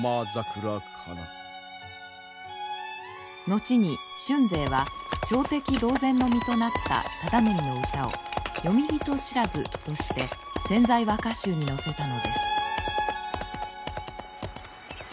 後に俊成は朝敵同然の身となった忠度の歌をよみ人知らずとして「千載和歌集」に載せたのです。